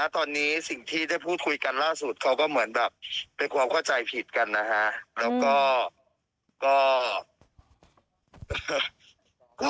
ตอนนี้สิ่งที่ได้พูดคุยกันล่าสุดเขาก็เหมือนแบบเป็นความว่าใจผิดกัน